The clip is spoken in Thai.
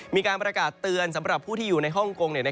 มีการประกาศเตือนสำหรับผู้ที่อยู่ในฮ่องกง